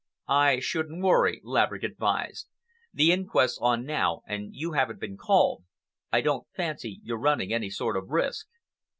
"I shouldn't worry," Laverick advised. "The inquest's on now and you haven't been called. I don't fancy you're running any sort of risk.